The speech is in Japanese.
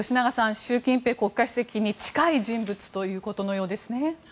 習近平国家主席に近い人物ということのようですね。